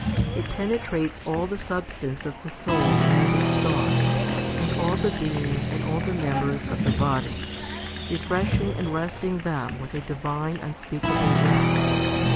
It penetrates all the sub stance of the soul and its thoughts, and all the being and all the members of the body, refreshing and resting them with a divine, unspeakable rest.